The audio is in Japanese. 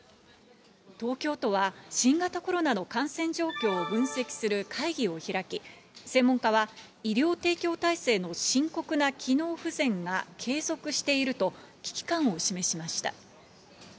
東京都は新型コロナの感染状況を分析する会議を開き、専門家は医療提供体制の深刻な機能不全が継続していると、危機感を示しました。